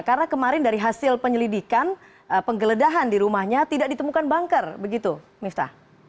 karena kemarin dari hasil penyelidikan penggeledahan di rumahnya tidak ditemukan bangker begitu mifta